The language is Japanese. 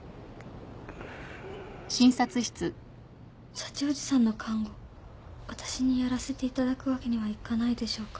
さちおじさんの看護わたしにやらせていただくわけにはいかないでしょうか？